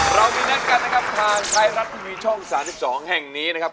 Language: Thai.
เรามีนัดกันนะครับทางไทยรัฐทีวีช่อง๓๒แห่งนี้นะครับ